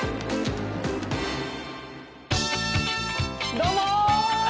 どうも！